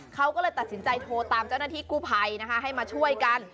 เขาก็เลยตัดสินใจโทรตามเจ้าหน้าที่กู้ภัยนะคะให้มาช่วยกัน